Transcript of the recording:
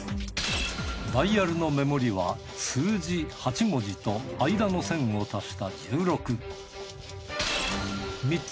ダイヤルのメモリは数字８文字と間の線を足した１６